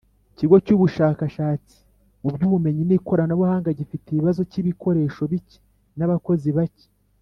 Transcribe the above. Ikigo cy Ubushakashatsi mu by Ubumenyi n Ikoranabuhanga gifite ikibazo cy ibikoresho bike n abakozi bake